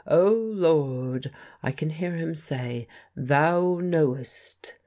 "Oh, Lord," I can hear him say, "thou knowest..."